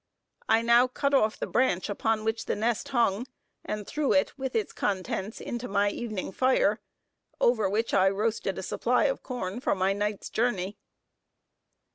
I now cut off the branch upon which the nest hung, and threw it with its contents into my evening fire, over which I roasted a supply of corn for my night's journey.